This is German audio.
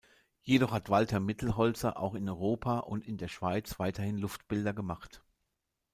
Jedoch hat Walter Mittelholzer auch in Europa und in der Schweiz weiterhin Luftbilder gemacht.